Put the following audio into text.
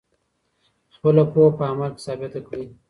خپله پوهه په عمل کي ثابته کړئ.